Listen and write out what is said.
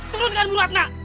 turunkan ibu ratna